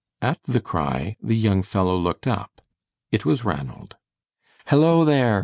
At the cry the young fellow looked up. It was Ranald. "Hello, there!"